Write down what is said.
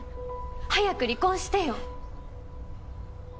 早く離婚してよ。